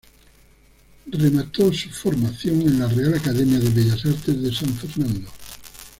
Remató su formación en la Real Academia de Bellas Artes de San Fernando.